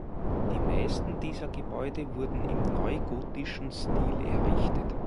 Die meisten dieser Gebäude wurden im neugotischen Stil errichtet.